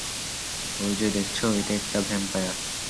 ঐযে দেখছো, এটা একটা ভ্যাম্পায়ার।